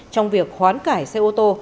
trong việc khoán cải xe ô tô